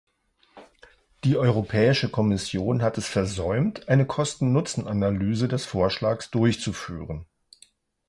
Die Europäische Kommission hat es versäumt, eine Kosten-Nutzen-Analyse des Vorschlags durchzuführen.